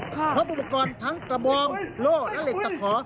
เพราะบริการทั้งกระบองโล่และเหล็กตะขอ